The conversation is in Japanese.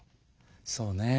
そうね。